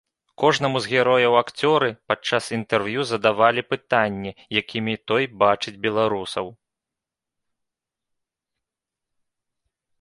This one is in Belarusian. Кожнаму з герояў акцёры падчас інтэрв'ю задавалі пытанне, якімі той бачыць беларусаў.